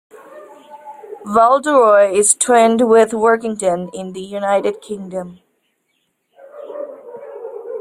Val-de-Reuil is twinned with Workington in the United Kingdom.